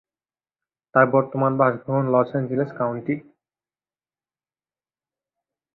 তার বর্তমান বাসভবন লস এঞ্জেলেস কাউন্টি।